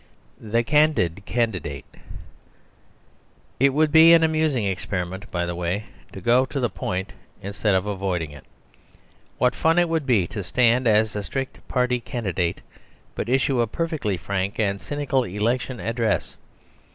The Candid Candidate It would be an amusing experiment, by the way, to go to the point instead of avoiding it. What fun it would be to stand as a strict Party candidate, but issue a perfectly frank and cynical Election Address.